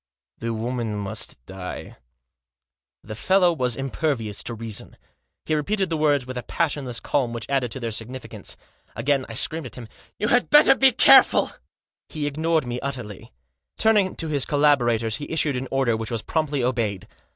" The woman must die." The fellow was impervious to reason. He repeated the words with a passionless calm which added to their significance. Again I screamed at him :" You had better be careful !" He ignored me utterly. Turning to his collaborators he issued an order which was promptly obeyed.